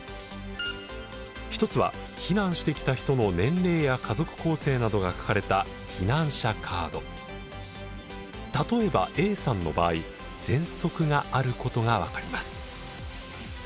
一つは避難してきた人の年齢や家族構成などが書かれた例えばＡさんの場合ぜんそくがあることが分かります。